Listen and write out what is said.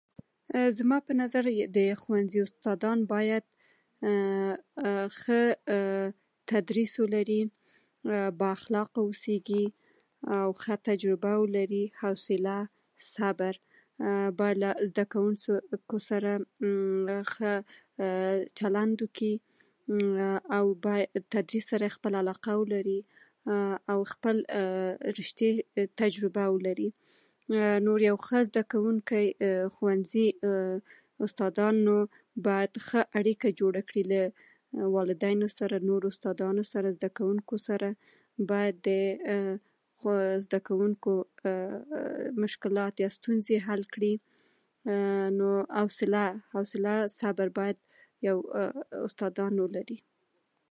زما په نظر د ښوونځي استادان باید ښه تدریس ولري، بااخلاقه واوسېږي او ښه تجربه ولري. حوصله، صبر، زده کوونکو سره ښه چلند وکړي. باید تدریس سره خپله علاقه ولري، او خپل ریښتینې تجربه ولري. نور یو ښه زده کوونکی، ښوونځي استادانو باید خپل ښه اړیکه جوړه کړي له والدینو سره، نورو استادانو سره، زده کوونکو سره. باید د زده کوونکو مشکلات یا ستونزې حل کړي. نو حوصله، حوصله، صبر باید یو استادان ولري.